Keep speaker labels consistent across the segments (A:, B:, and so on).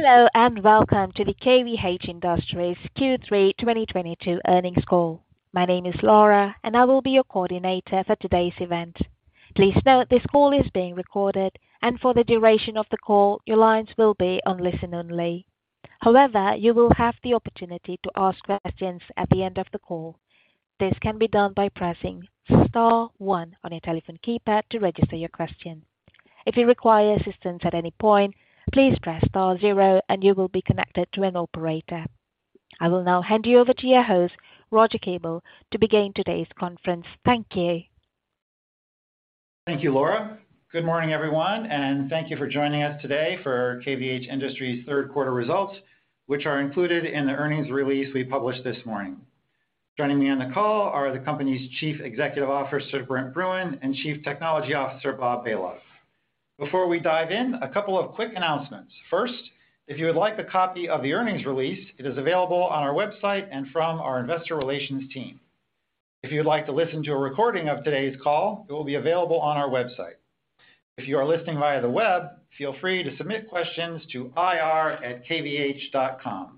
A: Hello, welcome to the KVH Industries Q3 2022 Earnings Call. My name is Laura, and I will be your coordinator for today's event. Please note this call is being recorded, and for the duration of the call, your lines will be on listen-only. However, you will have the opportunity to ask questions at the end of the call. This can be done by pressing star one on your telephone keypad to register your question. If you require assistance at any point, please press star zero and you will be connected to an operator. I will now hand you over to your host, Roger Kuebel, to begin today's conference. Thank you.
B: Thank you, Laura. Good morning, everyone, and thank you for joining us today for KVH Industries third quarter results, which are included in the earnings release we published this morning. Joining me on the call are the company's Chief Executive Officer, Brent Bruun, and Chief Technology Officer, Robert Balog. Before we dive in, a couple of quick announcements. First, if you would like a copy of the earnings release, it is available on our website and from our investor relations team. If you would like to listen to a recording of today's call, it will be available on our website. If you are listening via the web, feel free to submit questions to ir@kvh.com.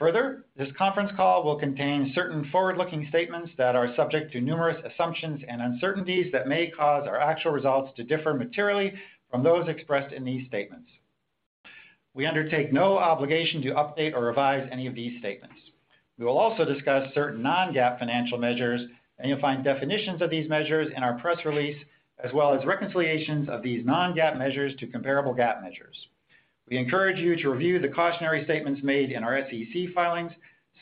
B: Further, this conference call will contain certain forward-looking statements that are subject to numerous assumptions and uncertainties that may cause our actual results to differ materially from those expressed in these statements. We undertake no obligation to update or revise any of these statements. We will also discuss certain non-GAAP financial measures, and you'll find definitions of these measures in our press release, as well as reconciliations of these non-GAAP measures to comparable GAAP measures. We encourage you to review the cautionary statements made in our SEC filings,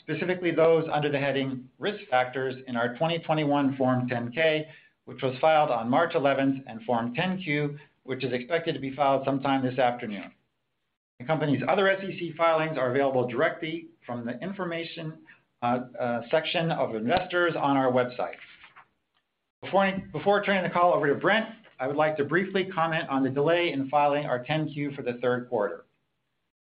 B: specifically those under the heading Risk Factors in our 2021 Form 10-K, which was filed on March 11th, and Form 10-Q, which is expected to be filed sometime this afternoon. The company's other SEC filings are available directly from the information section of Investors on our website. Before turning the call over to Brent, I would like to briefly comment on the delay in filing our 10-Q for the third quarter.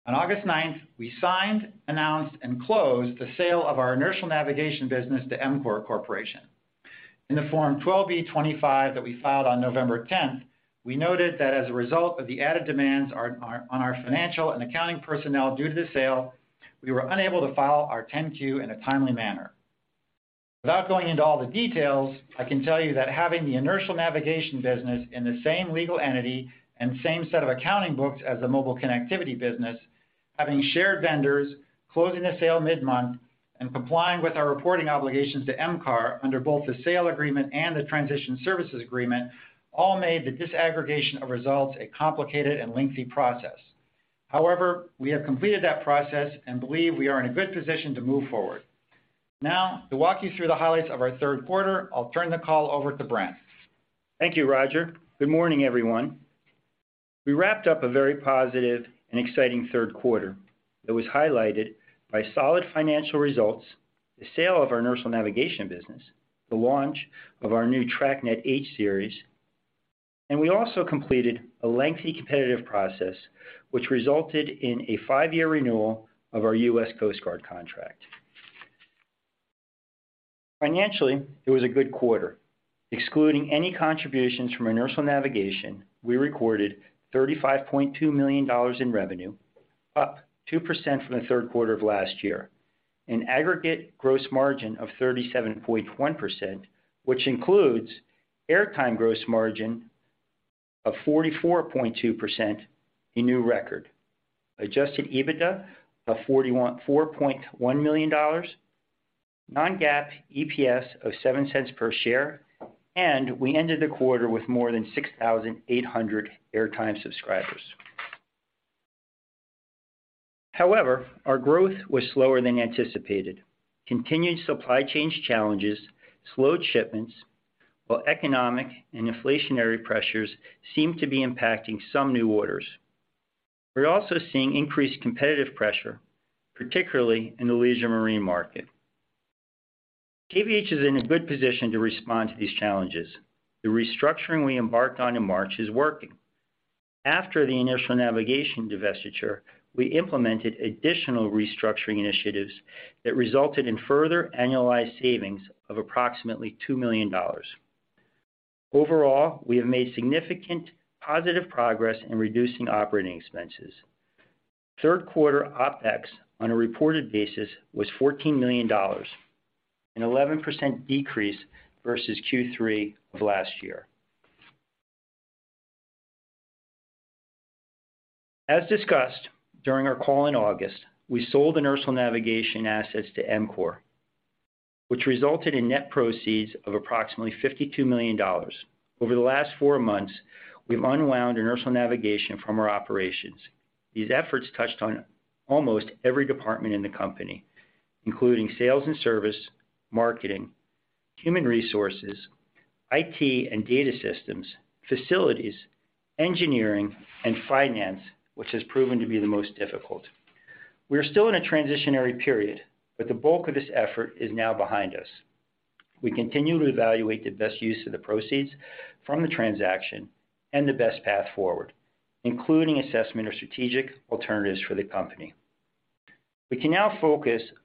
B: On August 9th, we signed, announced, and closed the sale of our inertial navigation business to EMCORE Corporation. In the Form 12b-25 that we filed on November 10th, we noted that as a result of the added demands on our financial and accounting personnel due to the sale, we were unable to file our 10-Q in a timely manner. Without going into all the details, I can tell you that having the inertial navigation business in the same legal entity and same set of accounting books as the mobile connectivity business, having shared vendors, closing the sale mid-month, and complying with our reporting obligations to EMCORE under both the sale agreement and the transition services agreement all made the disaggregation of results a complicated and lengthy process. We have completed that process and believe we are in a good position to move forward. To walk you through the highlights of our third quarter, I'll turn the call over to Brent.
C: Thank you, Roger. Good morning, everyone. We wrapped up a very positive and exciting third quarter that was highlighted by solid financial results, the sale of our inertial navigation business, the launch of our new TracNet H-series. We also completed a lengthy competitive process which resulted in a five-year renewal of our US Coast Guard contract. Financially, it was a good quarter. Excluding any contributions from inertial navigation, we recorded $35.2 million in revenue, up 2% from the third quarter of last year. An aggregate gross margin of 37.1%, which includes airtime gross margin of 44.2%, a new record. Adjusted EBITDA of $4.1 million. Non-GAAP EPS of $0.07 per share. We ended the quarter with more than 6,800 airtime subscribers. However, our growth was slower than anticipated. Continued supply chain challenges slowed shipments, while economic and inflationary pressures seem to be impacting some new orders. We're also seeing increased competitive pressure, particularly in the leisure marine market. KVH is in a good position to respond to these challenges. The restructuring we embarked on in March is working. After the inertial navigation divestiture, we implemented additional restructuring initiatives that resulted in further annualized savings of approximately $2 million. Overall, we have made significant positive progress in reducing operating expenses. Third quarter OpEx on a reported basis was $14 million, an 11% decrease versus Q3 of last year. As discussed during our call in August, we sold the inertial navigation assets to EMCORE, which resulted in net proceeds of approximately $52 million. Over the last four months, we've unwound inertial navigation from our operations. These efforts touched on almost every department in the company, including sales and service, marketing, human resources, IT and data systems, facilities, engineering, and finance, which has proven to be the most difficult. We are still in a transitionary period, but the bulk of this effort is now behind us. We continue to evaluate the best use of the proceeds from the transaction and the best path forward, including assessment of strategic alternatives for the company. We can now focus on the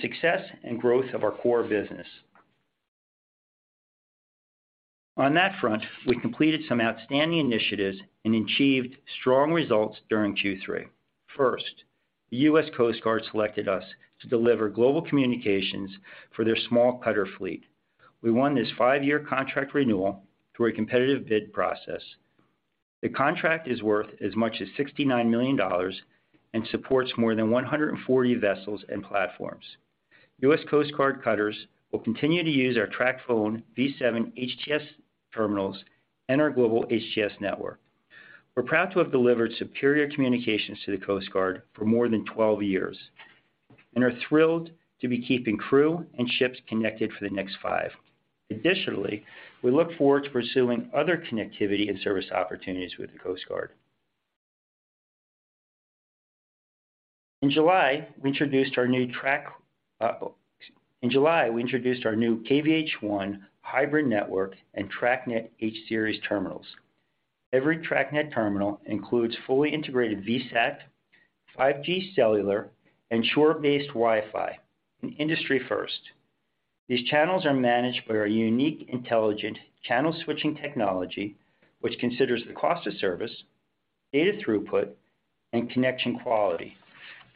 C: success and growth of our core business. On that front, we completed some outstanding initiatives and achieved strong results during Q3. First, the US Coast Guard selected us to deliver global communications for their small cutter fleet. We won this five-year contract renewal through a competitive bid process. The contract is worth as much as $69 million and supports more than 140 vessels and platforms. US Coast Guard cutters will continue to use our TracPhone V7-HTS terminals and our global HTS network. We're proud to have delivered superior communications to the Coast Guard for more than 12 years, and are thrilled to be keeping crew and ships connected for the next five. Additionally, we look forward to pursuing other connectivity and service opportunities with the Coast Guard. In July, we introduced our new KVH ONE hybrid network and TracNet H-series terminals. Every TracNet terminal includes fully integrated VSAT, 5G cellular, and shore-based Wi-Fi, an industry first. These channels are managed by our unique intelligent channel switching technology, which considers the cost of service, data throughput, and connection quality.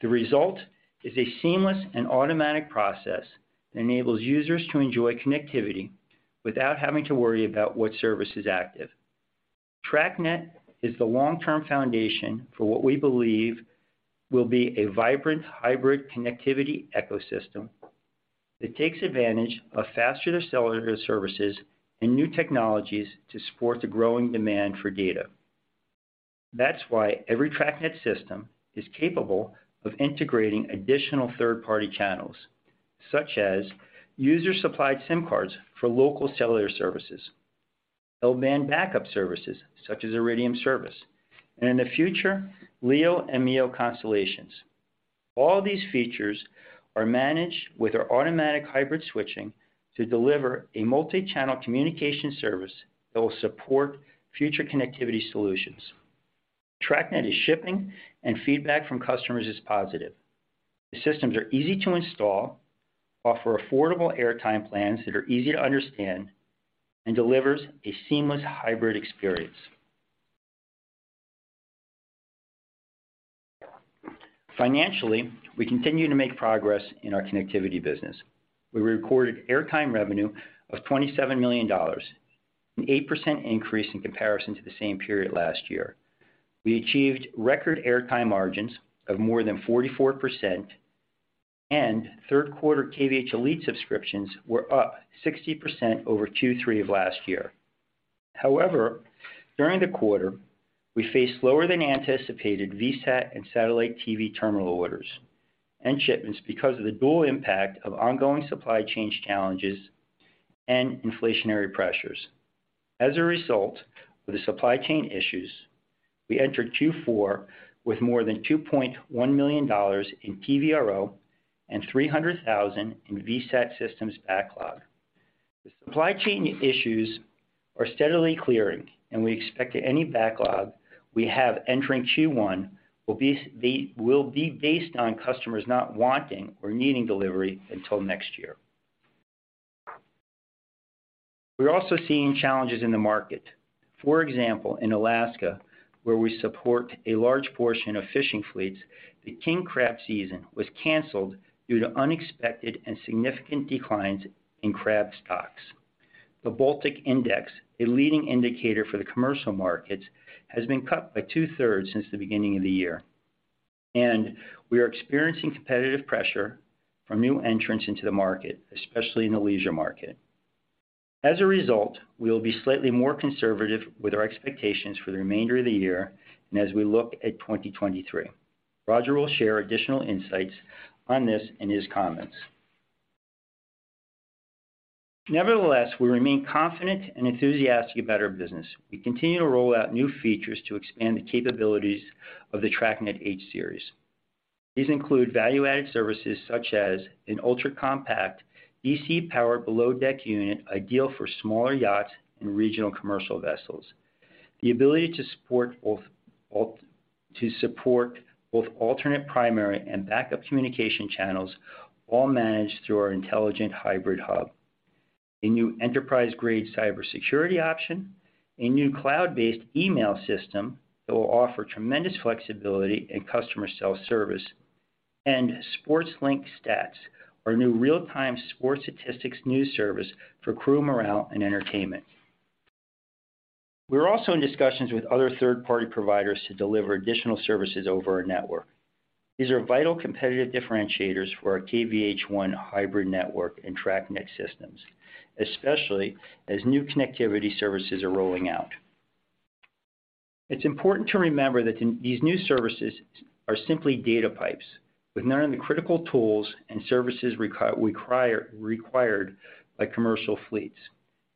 C: The result is a seamless and automatic process that enables users to enjoy connectivity without having to worry about what service is active. TracNet is the long-term foundation for what we believe will be a vibrant hybrid connectivity ecosystem that takes advantage of faster cellular services and new technologies to support the growing demand for data. That's why every TracNet system is capable of integrating additional third-party channels, such as user-supplied SIM cards for local cellular services, L-band backup services such as Iridium service, and in the future, LEO and MEO constellations. All these features are managed with our intelligent channel switching to deliver a multi-channel communication service that will support future connectivity solutions. TracNet is shipping and feedback from customers is positive. The systems are easy to install, offer affordable airtime plans that are easy to understand, and delivers a seamless hybrid experience. Financially, we continue to make progress in our connectivity business. We recorded airtime revenue of $27 million, an 8% increase in comparison to the same period last year. We achieved record airtime margins of more than 44%, and third quarter KVH Elite subscriptions were up 60% over Q3 of last year. During the quarter, we faced slower than anticipated VSAT and satellite TV terminal orders and shipments because of the dual impact of ongoing supply chain challenges and inflationary pressures. As a result of the supply chain issues, we entered Q4 with more than $2.1 million in TVRO and $300,000 in VSAT systems backlog. The supply chain issues are steadily clearing, and we expect any backlog we have entering Q1 will be based on customers not wanting or needing delivery until next year. We're also seeing challenges in the market. For example, in Alaska, where we support a large portion of fishing fleets, the king crab season was canceled due to unexpected and significant declines in crab stocks. The Baltic Dry Index, a leading indicator for the commercial markets, has been cut by two-thirds since the beginning of the year. We are experiencing competitive pressure from new entrants into the market, especially in the leisure market. As a result, we will be slightly more conservative with our expectations for the remainder of the year and as we look at 2023. Roger will share additional insights on this in his comments. Nevertheless, we remain confident and enthusiastic about our business. We continue to roll out new features to expand the capabilities of the TracNet H-series. These include value-added services such as an ultra-compact AC power below deck unit ideal for smaller yachts and regional commercial vessels. The ability to support both alternate primary and backup communication channels, all managed through our intelligent hybrid hub. A new enterprise-grade cybersecurity option. A new cloud-based email system that will offer tremendous flexibility and customer self-service. SPORTSlink Stats, our new real-time sports statistics news service for crew morale and entertainment. We're also in discussions with other third-party providers to deliver additional services over our network. These are vital competitive differentiators for our KVH ONE hybrid network and TracNet systems, especially as new connectivity services are rolling out. It's important to remember that these new services are simply data pipes with none of the critical tools and services required by commercial fleets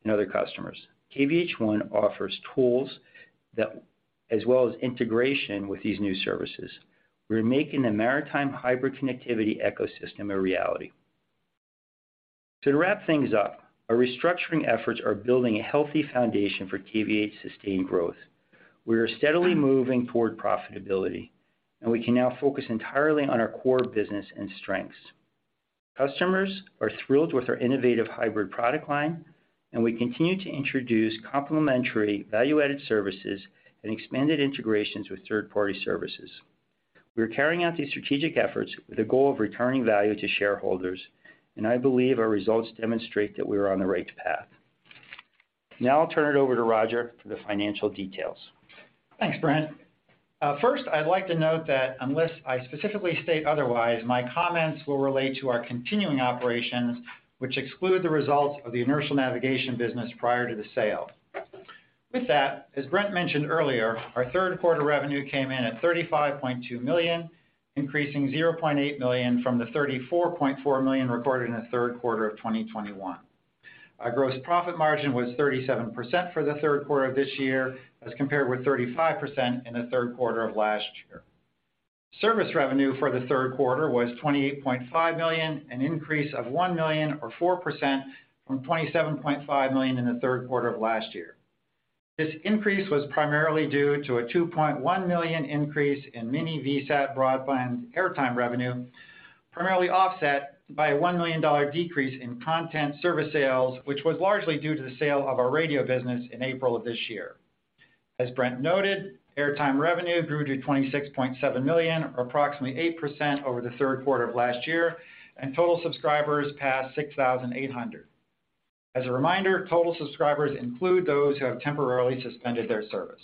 C: and other customers. KVH ONE offers tools that, as well as integration with these new services. We're making the maritime hybrid connectivity ecosystem a reality. To wrap things up, our restructuring efforts are building a healthy foundation for KVH sustained growth. We are steadily moving toward profitability, and we can now focus entirely on our core business and strengths. Customers are thrilled with our innovative hybrid product line, and we continue to introduce complementary value-added services and expanded integrations with third-party services. We are carrying out these strategic efforts with the goal of returning value to shareholders, and I believe our results demonstrate that we are on the right path. Now I'll turn it over to Roger for the financial details.
B: Thanks, Brent. First I'd like to note that unless I specifically state otherwise, my comments will relate to our continuing operations, which exclude the results of the inertial navigation business prior to the sale. With that, as Brent mentioned earlier, our third quarter revenue came in at $35.2 million, increasing $0.8 million from the $34.4 million recorded in the third quarter of 2021. Our gross profit margin was 37% for the third quarter of this year, as compared with 35% in the third quarter of last year. Service revenue for the third quarter was $28.5 million, an increase of $1 million or 4% from $27.5 million in the third quarter of last year. This increase was primarily due to a $2.1 million increase in mini-VSAT Broadband airtime revenue, primarily offset by a $1 million decrease in content service sales, which was largely due to the sale of our radio business in April of this year. As Brent noted, airtime revenue grew to $26.7 million or approximately 8% over the third quarter of last year, and total subscribers passed 6,800. As a reminder, total subscribers include those who have temporarily suspended their service.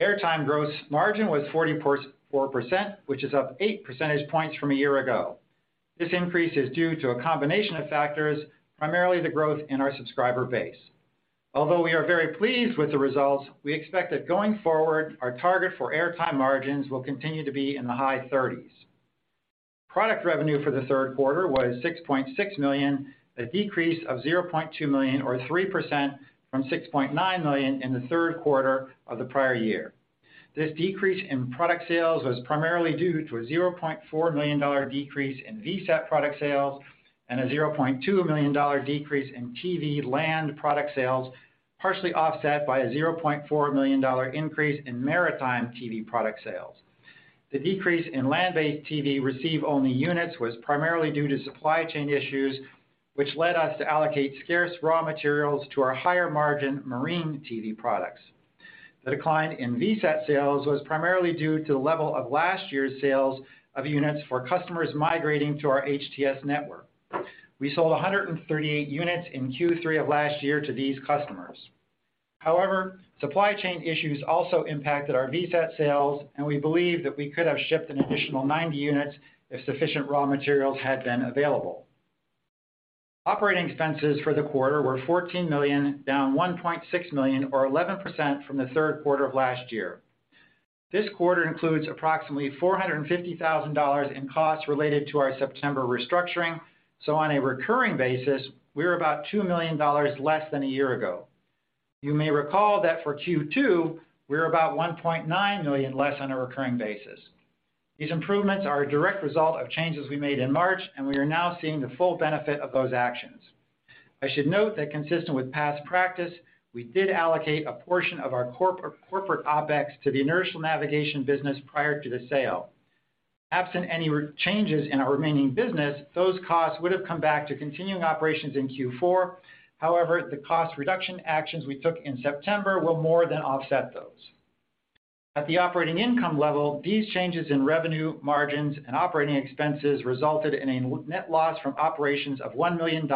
B: Airtime gross margin was 44%, which is up eight percentage points from a year ago. This increase is due to a combination of factors, primarily the growth in our subscriber base. Although we are very pleased with the results, we expect that going forward, our target for airtime margins will continue to be in the high thirties. Product revenue for the third quarter was $6.6 million, a decrease of $0.2 million or 3% from $6.9 million in the third quarter of the prior year. This decrease in product sales was primarily due to a $0.4 million decrease in VSAT product sales and a $0.2 million decrease in TV land-based product sales, partially offset by a $0.4 million increase in maritime TV product sales. The decrease in land-based TV receive-only units was primarily due to supply chain issues, which led us to allocate scarce raw materials to our higher-margin marine TV products. The decline in VSAT sales was primarily due to the level of last year's sales of units for customers migrating to our HTS network. We sold 138 units in Q3 of last year to these customers. Supply chain issues also impacted our VSAT sales, and we believe that we could have shipped an additional 90 units if sufficient raw materials had been available. Operating expenses for the quarter were $14 million, down $1.6 million or 11% from the third quarter of last year. This quarter includes approximately $450,000 in costs related to our September restructuring, so on a recurring basis, we were about $2 million less than a year ago. You may recall that for Q2, we were about $1.9 million less on a recurring basis. These improvements are a direct result of changes we made in March, and we are now seeing the full benefit of those actions. I should note that consistent with past practice, we did allocate a portion of our corporate OpEx to the inertial navigation business prior to the sale. Absent any changes in our remaining business, those costs would have come back to continuing operations in Q4. However, the cost reduction actions we took in September will more than offset those. At the operating income level, these changes in revenue, margins and operating expenses resulted in a net loss from operations of $1 million,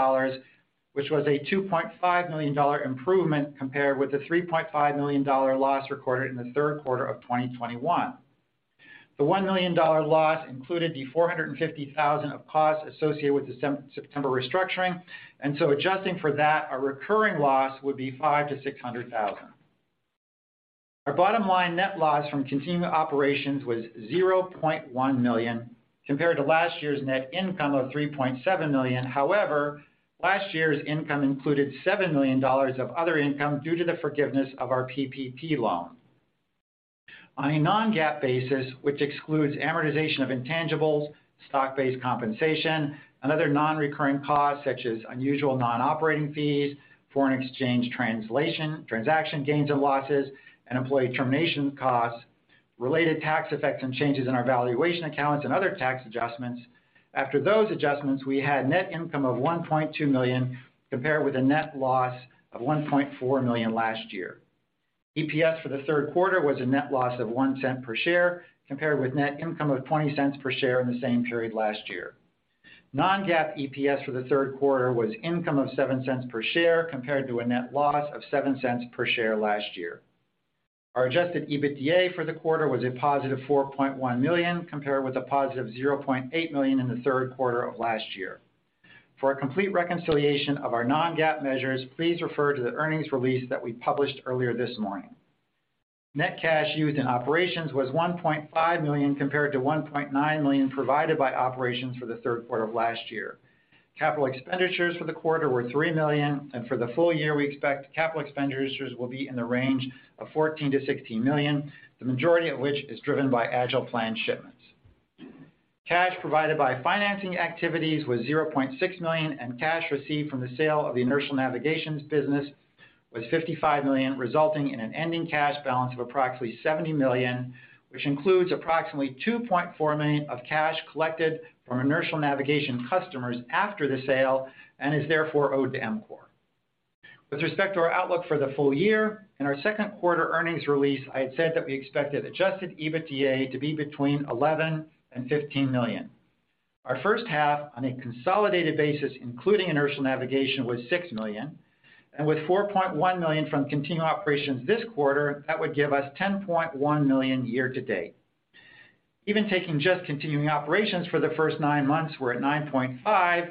B: which was a $2.5 million improvement compared with the $3.5 million loss recorded in the third quarter of 2021. The $1 million loss included the $450,000 of costs associated with the September restructuring, adjusting for that, our recurring loss would be $500,000-$600,000. Our bottom line net loss from continuing operations was $0.1 million compared to last year's net income of $3.7 million. Last year's income included $7 million of other income due to the forgiveness of our PPP loan. On a non-GAAP basis, which excludes amortization of intangibles, stock-based compensation, and other non-recurring costs such as unusual non-operating fees, foreign exchange transaction gains and losses, and employee termination costs, related tax effects and changes in our valuation accounts and other tax adjustments. After those adjustments, we had net income of $1.2 million compared with a net loss of $1.4 million last year. EPS for the third quarter was a net loss of $0.01 per share, compared with net income of $0.20 per share in the same period last year. Non-GAAP EPS for the third quarter was income of $0.07 per share, compared to a net loss of $0.07 per share last year. Our Adjusted EBITDA for the quarter was a positive $4.1 million, compared with a positive $0.8 million in the third quarter of last year. For a complete reconciliation of our non-GAAP measures, please refer to the earnings release that we published earlier this morning. Net cash used in operations was $1.5 million, compared to $1.9 million provided by operations for the third quarter of last year. Capital expenditures for the quarter were $3 million, and for the full year, we expect capital expenditures will be in the range of $14 million-$16 million, the majority of which is driven by AgilePlans plan shipments. Cash provided by financing activities was $0.6 million. Cash received from the sale of the inertial navigation business was $55 million, resulting in an ending cash balance of approximately $70 million, which includes approximately $2.4 million of cash collected from inertial navigation customers after the sale and is therefore owed to EMCORE. With respect to our outlook for the full year, in our second quarter earnings release, I had said that we expected Adjusted EBITDA to be between $11 million and $15 million. Our first half on a consolidated basis, including inertial navigation, was $6 million. With $4.1 million from continuing operations this quarter, that would give us $10.1 million year to date. Even taking just continuing operations for the first nine months, we're at $9.5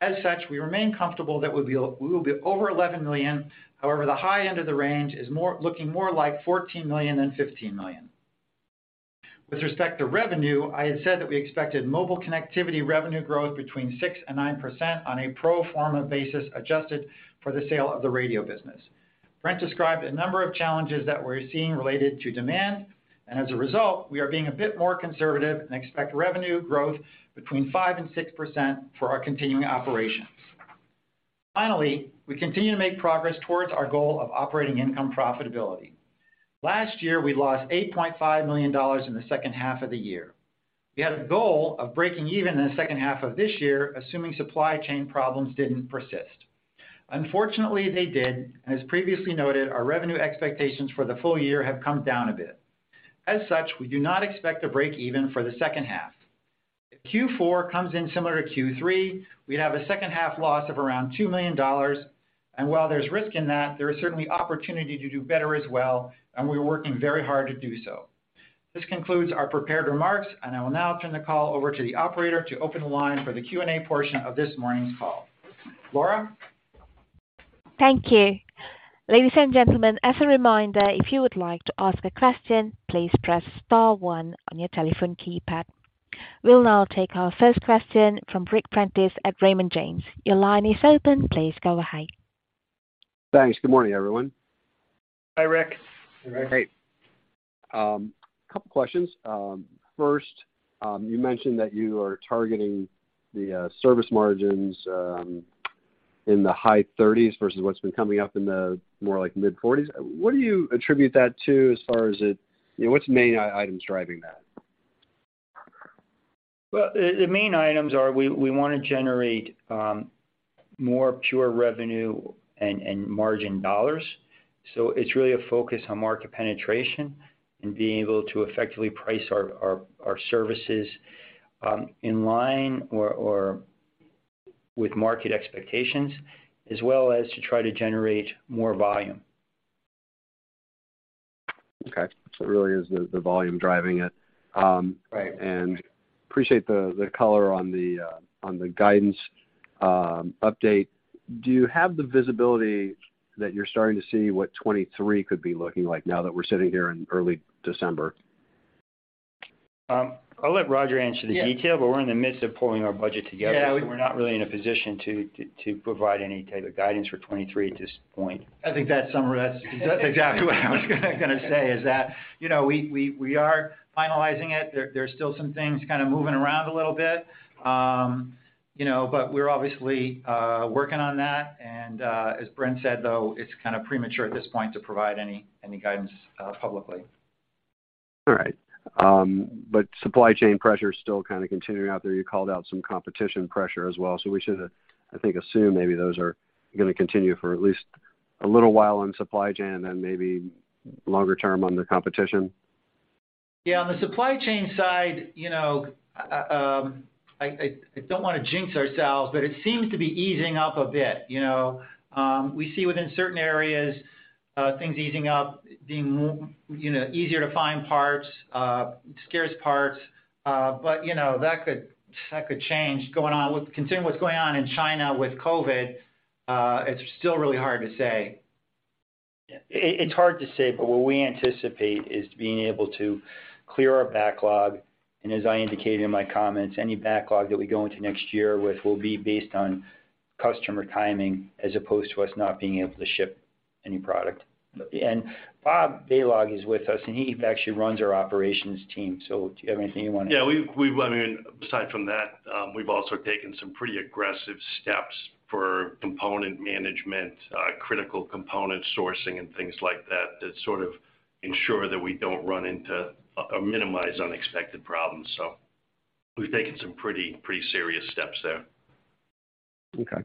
B: million. We remain comfortable that we will be over $11 million. The high end of the range is looking more like $14 million than $15 million. With respect to revenue, I had said that we expected mobile connectivity revenue growth between 6%-9% on a pro forma basis, adjusted for the sale of the radio business. Brent described a number of challenges that we're seeing related to demand. As a result, we are being a bit more conservative and expect revenue growth between 5%-6% for our continuing operations. We continue to make progress towards our goal of operating income profitability. Last year, we lost $8.5 million in the second half of the year. We had a goal of breaking even in the second half of this year, assuming supply chain problems didn't persist. Unfortunately, they did. As previously noted, our revenue expectations for the full year have come down a bit. As such, we do not expect to break even for the second half. If Q4 comes in similar to Q3, we'd have a second half loss of around $2 million. While there's risk in that, there is certainly opportunity to do better as well, and we're working very hard to do so. This concludes our prepared remarks, and I will now turn the call over to the operator to open the line for the Q&A portion of this morning's call. Laura?
A: Thank you. Ladies and gentlemen, as a reminder, if you would like to ask a question, please press star one on your telephone keypad. We'll now take our first question from Ric Prentiss at Raymond James. Your line is open. Please go ahead.
D: Thanks. Good morning, everyone.
B: Hi, Ric.
C: Hey, Ric.
D: A couple questions. First, you mentioned that you are targeting the service margins in the high 30% versus what's been coming up in the more like mid-40%. What do you attribute that to as far as What's the main items driving that?
B: Well, the main items are we wanna generate more pure revenue and margin dollars. It's really a focus on market penetration and being able to effectively price our services in line or with market expectations, as well as to try to generate more volume.
D: Okay. It really is the volume driving it.
B: Right.
D: Appreciate the color on the guidance update. Do you have the visibility that you're starting to see what 2023 could be looking like now that we're sitting here in early December?
C: I'll let Roger answer. Yeah. We're in the midst of pulling our budget together. We're not really in a position to provide any type of guidance for 2023 at this point.
B: I think that summary, that's exactly what I was gonna say is that, you know, we are finalizing it. There are still some things kind of moving around a little bit. You know, we're obviously working on that. As Brent said, though, it's kind of premature at this point to provide any guidance publicly.
D: All right. Supply chain pressure is still kind of continuing out there. You called out some competition pressure as well. We should, I think, assume maybe those are gonna continue for at least a little while on supply chain and then maybe longer term on the competition.
B: Yeah. On the supply chain side, you know, I don't wanna jinx ourselves, but it seems to be easing up a bit. You know, we see within certain areas, things easing up, being you know, easier to find parts, scarce parts. But you know, that could, that could change going on with considering what's going on in China with COVID, it's still really hard to say. It's hard to say, but what we anticipate is being able to clear our backlog. As I indicated in my comments, any backlog that we go into next year with will be based on customer timing as opposed to us not being able to ship any product. Bob Balog is with us, and he actually runs our operations team. Do you have anything you wanna add?
E: Yeah. We've I mean, aside from that, we've also taken some pretty aggressive steps for component management, critical component sourcing and things like that sort of ensure that we don't run into or minimize unexpected problems. We've taken some pretty serious steps there.
D: Okay.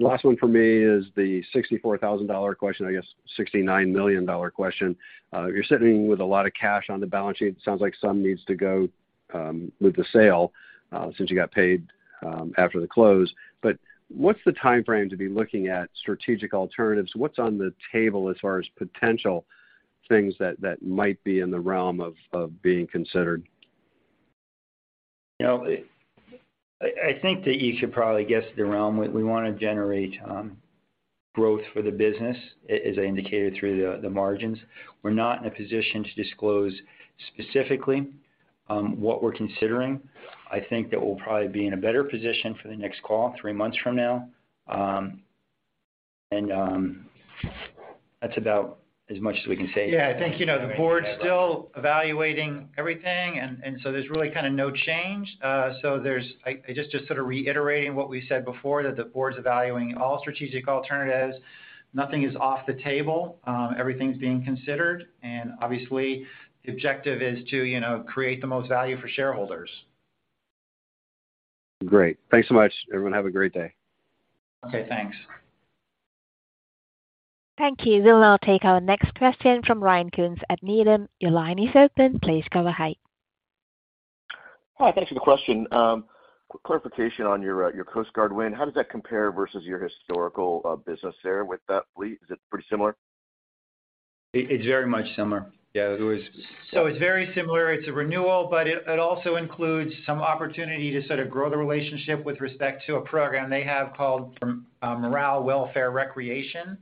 D: Last one for me is the $64,000 question, I guess $69 million question. You're sitting with a lot of cash on the balance sheet. It sounds like some needs to go with the sale since you got paid after the close. What's the timeframe to be looking at strategic alternatives? What's on the table as far as potential things that might be in the realm of being considered?
B: You know, I think that you should probably guess the realm. We wanna generate growth for the business, as I indicated through the margins. We're not in a position to disclose specifically what we're considering. I think that we'll probably be in a better position for the next call, three months from now.
C: That's about as much as we can say.
B: Yeah. I think, you know, the board's still evaluating everything and so there's really kind of no change. There's sort of reiterating what we said before, that the board is evaluating all strategic alternatives. Nothing is off the table. Everything's being considered. Obviously, the objective is to, you know, create the most value for shareholders.
D: Great. Thanks so much, everyone. Have a great day.
B: Okay, thanks.
A: Thank you. We'll now take our next question from Ryan Koontz at Needham. Your line is open. Please go ahead.
F: Hi. Thanks for the question. clarification on your Coast Guard win, how does that compare versus your historical, business there with that fleet? Is it pretty similar?
C: It's very much similar. Yeah.
B: It's very similar. It's a renewal, but it also includes some opportunity to sort of grow the relationship with respect to a program they have called Morale, Welfare, Recreation,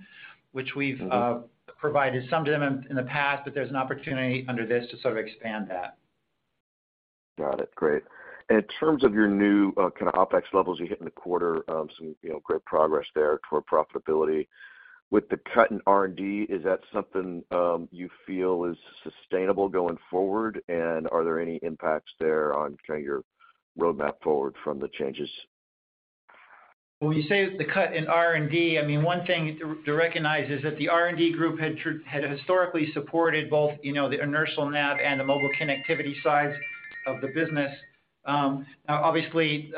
B: which we've.
F: Mm-hmm...
B: provided some to them in the past, but there's an opportunity under this to sort of expand that.
F: Got it. Great. In terms of your new, kind of OpEx levels you hit in the quarter, some, you know, great progress there toward profitability. With the cut in R&D, is that something you feel is sustainable going forward? Are there any impacts there on kind of your roadmap forward from the changes?
B: When you say the cut in R&D, I mean, one thing to recognize is that the R&D group had historically supported both, you know, the inertial nav and the mobile connectivity sides of the business. Obviously,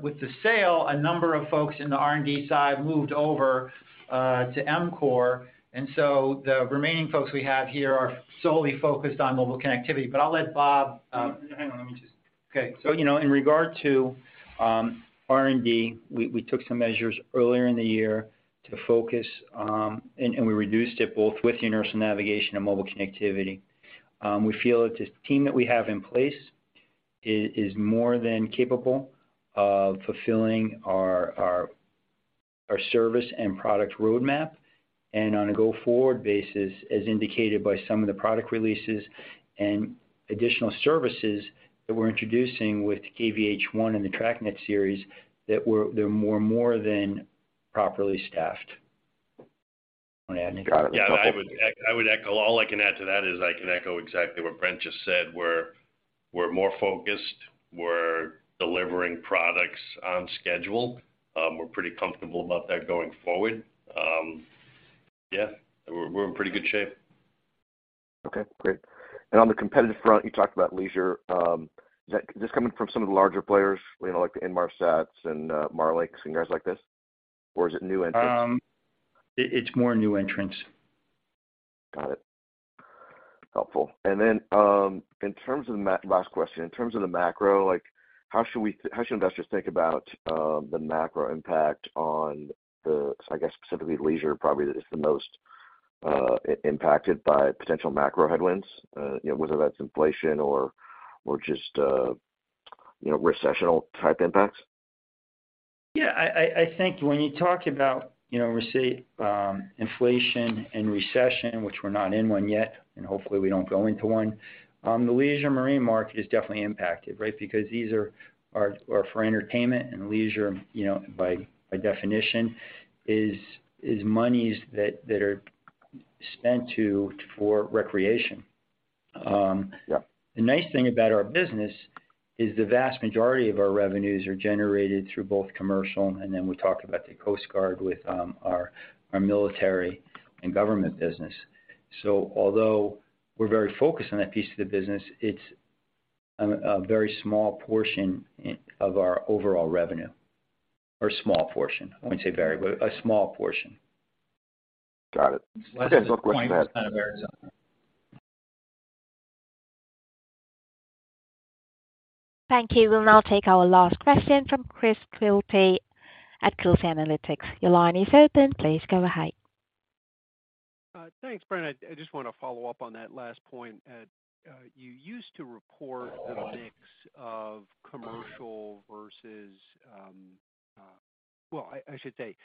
B: with the sale, a number of folks in the R&D side moved over to EMCORE. The remaining folks we have here are solely focused on mobile connectivity. I'll let Bob
C: Hang on, let me just... Okay. You know, in regard to R&D, we took some measures earlier in the year to focus, and we reduced it both with inertial navigation and mobile connectivity. We feel that the team that we have in place is more than capable of fulfilling our service and product roadmap. On a go-forward basis, as indicated by some of the product releases and additional services that we're introducing with the KVH ONE and the TracNet series, that they're more than properly staffed. You wanna add anything?
F: Got it.
E: I would echo. All I can add to that is I can echo exactly what Brent just said. We're more focused. We're delivering products on schedule. We're pretty comfortable about that going forward. We're in pretty good shape.
F: Okay, great. On the competitive front, you talked about leisure. Is this coming from some of the larger players, you know, like the Inmarsat and Marlink and guys like this? Or is it new entrants?
C: It, it's more new entrants.
F: Got it. Helpful. Last question. In terms of the macro, like how should investors think about the macro impact on the, I guess, specifically leisure probably is the most impacted by potential macro headwinds, you know, whether that's inflation or just, you know, recessional type impacts?
C: Yeah, I think when you talk about, you know, inflation and recession, which we're not in one yet, and hopefully, we don't go into one, the leisure marine market is definitely impacted, right? Because these are for entertainment and leisure, you know, by definition, is monies that are spent to, for recreation.
F: Yeah.
C: The nice thing about our business is the vast majority of our revenues are generated through both commercial, and then we talk about the Coast Guard with our military and government business. Although we're very focused on that piece of the business, it's a very small portion of our overall revenue. Small portion. I wouldn't say very, but a small portion.
F: Got it. Okay. One question then.
C: Less than point % of our revenue.
A: Thank you. We'll now take our last question from Chris Quilty at Quilty Analytics. Your line is open. Please go ahead.
G: Thanks, Brent. I just wanna follow up on that last point. You used to report the mix of commercial versus. Well, I should say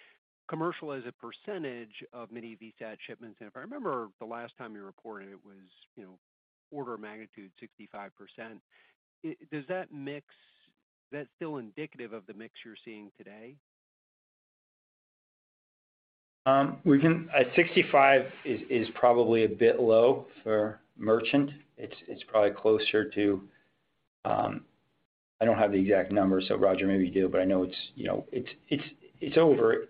G: commercial as a percentage of mini-VSAT shipments. If I remember the last time you reported it was, you know, order of magnitude 65%. Does that mix, is that still indicative of the mix you're seeing today?
C: 65 is probably a bit low for merchant. It's probably closer to. I don't have the exact number, so Roger, maybe you do, but I know it's, you know, it's over 80%.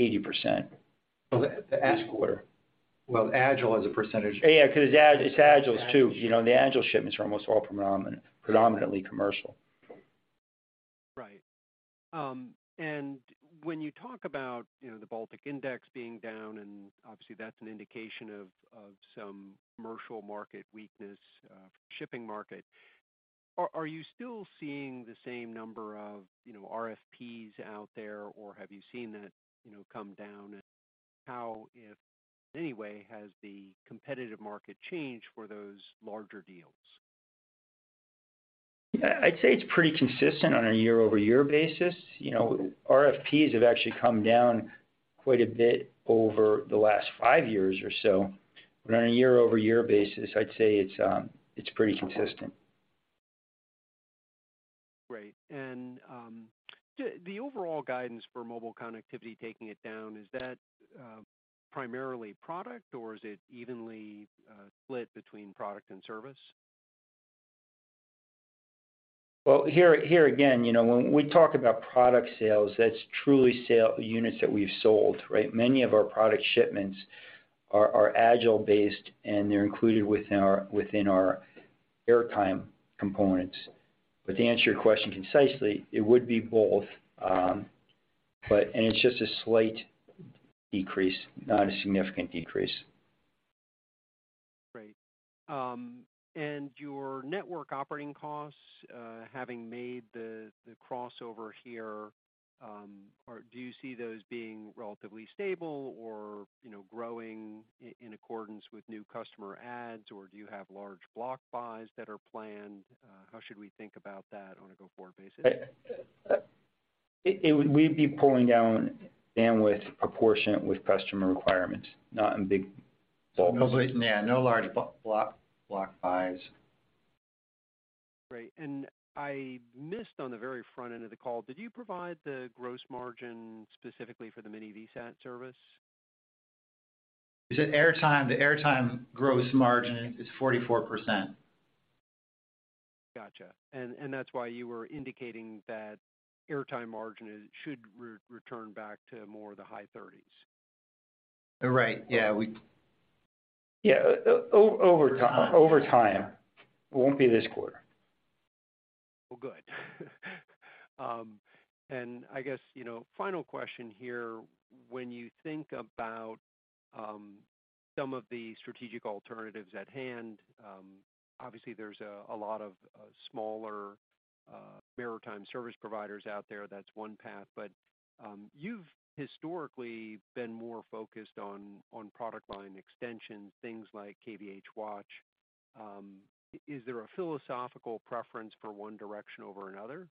B: Of the S quarter. Well, AgilePlans as a percentage.
C: Yeah, 'cause it's AgilePlans's too. You know, the AgilePlans shipments are almost all predominantly commercial.
G: Right. When you talk about, you know, the Baltic Index being down, and obviously that's an indication of some commercial market weakness, shipping market, are you still seeing the same number of, you know, RFPs out there, or have you seen that, you know, come down? How, if in any way, has the competitive market changed for those larger deals?
C: I'd say it's pretty consistent on a year-over-year basis. You know, RFPs have actually come down quite a bit over the last five years or so. On a year-over-year basis, I'd say it's pretty consistent.
G: Great. The overall guidance for mobile connectivity taking it down, is that primarily product or is it evenly split between product and service?
C: Here again, you know, when we talk about product sales, that's truly sale units that we've sold, right? Many of our product shipments are AgilePlans-based, they're included within our airtime components. To answer your question concisely, it would be both. It's just a slight decrease, not a significant decrease.
G: Great. Your network operating costs, having made the crossover here, do you see those being relatively stable or, you know, growing in accordance with new customer adds? Or do you have large block buys that are planned? how should we think about that on a go-forward basis?
C: We'd be pulling down bandwidth proportionate with customer requirements, not in big bulks.
B: Nobody. Yeah, no large block buys.
G: Great. I missed on the very front end of the call, did you provide the gross margin specifically for the Mini-VSAT service?
C: You said airtime? The airtime gross margin is 44%.
G: Gotcha. That's why you were indicating that airtime margin should return back to more of the high 30s.
C: Right. Yeah, we...
B: Yeah. Over time. Over time. It won't be this quarter.
G: Well, good. I guess, you know, final question here, when you think about, some of the strategic alternatives at hand, obviously there's a lot of, smaller, maritime service providers out there. That's one path. You've historically been more focused on product line extensions, things like KVH Watch. Is there a philosophical preference for one direction over another?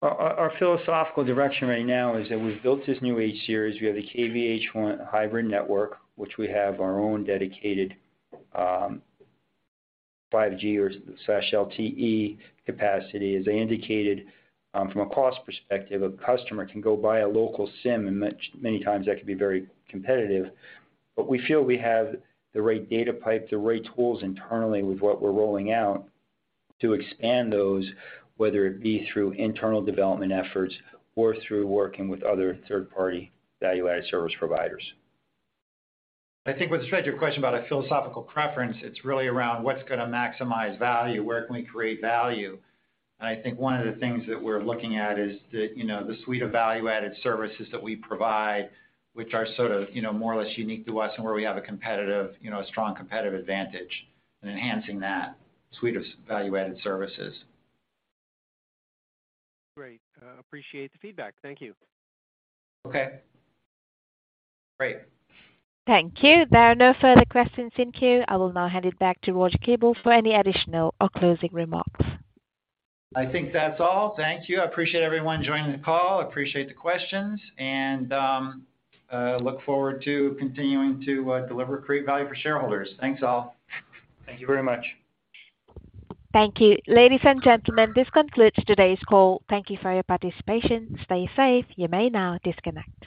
C: Our philosophical direction right now is that we've built this new H-series. We have the KVH hybrid network, which we have our own dedicated, 5G or slash LTE capacity. As I indicated, from a cost perspective, a customer can go buy a local SIM, and many times that can be very competitive. We feel we have the right data pipe, the right tools internally with what we're rolling out to expand those, whether it be through internal development efforts or through working with other third-party value-added service providers.
B: I think with respect to your question about a philosophical preference, it's really around what's gonna maximize value, where can we create value? I think one of the things that we're looking at is the, you know, the suite of value-added services that we provide, which are sort of, you know, more or less unique to us and where we have a competitive, you know, a strong competitive advantage in enhancing that suite of value-added services.
G: Great. appreciate the feedback. Thank you.
C: Okay.
B: Great.
A: Thank you. There are no further questions in queue. I will now hand it back to Roger Kuebel for any additional or closing remarks.
C: I think that's all. Thank you. I appreciate everyone joining the call. I appreciate the questions, and look forward to continuing to deliver great value for shareholders. Thanks, all.
B: Thank you very much.
A: Thank you. Ladies and gentlemen, this concludes today's call. Thank you for your participation. Stay safe. You may now disconnect.